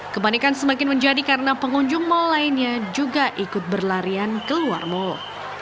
kepanikan semakin menjadi karena pengunjung mal lainnya juga ikut berlarian keluar mal